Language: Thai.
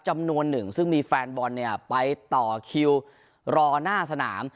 จำนวนหนึ่งซึ่งมีแฟนบอลเนี่ยไปต่อคิวรอหน้าสนาม